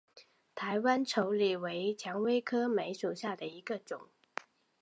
台湾稠李为蔷薇科梅属下的一个种。